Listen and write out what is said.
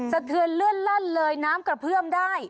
สะเทือนเลื่อนลั่นเลยน้ำกระเพื่อมได้